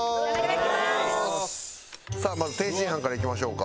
さあまず天津飯からいきましょうか。